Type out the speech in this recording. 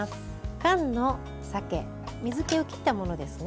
缶の鮭、水けを切ったものですね。